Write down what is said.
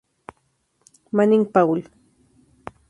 Manning, Paul.